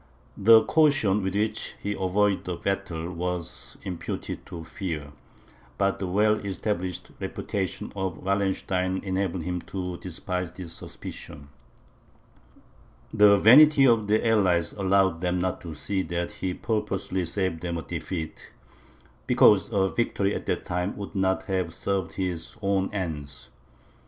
The caution with which he avoided a battle was imputed to fear; but the well established reputation of Wallenstein enabled him to despise this suspicion. The vanity of the allies allowed them not to see that he purposely saved them a defeat, because a victory at that time would not have served his own ends.